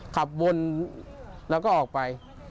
ขับวนแล้วก็ออกไป